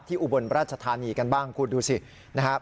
อุบลราชธานีกันบ้างคุณดูสินะครับ